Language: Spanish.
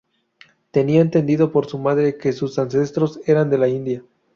Tenía entendido por su madre que sus ancestros eran de la India.